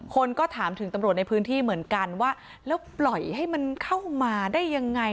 คนก็ถามถึงตำรวจในพื้นที่เหมือนกันว่าแล้วปล่อยให้มันเข้ามาได้ยังไง